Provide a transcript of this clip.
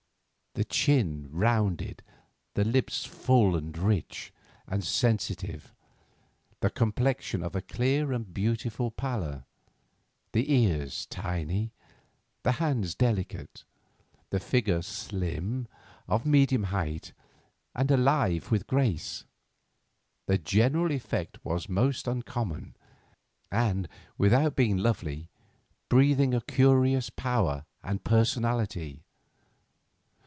The chin rounded; the lips full, rich, and sensitive; the complexion of a clear and beautiful pallor; the ears tiny; the hands delicate; the figure slim, of medium height, and alive with grace; the general effect most uncommon, and, without being lovely, breathing a curious power and personality.